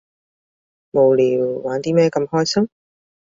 無聊，玩啲咩咁開心？